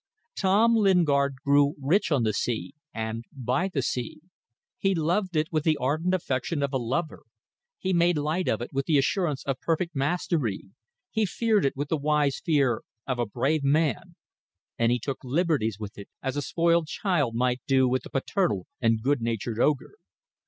Tom Lingard grew rich on the sea and by the sea. He loved it with the ardent affection of a lover, he made light of it with the assurance of perfect mastery, he feared it with the wise fear of a brave man, and he took liberties with it as a spoiled child might do with a paternal and good natured ogre.